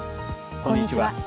こんにちは。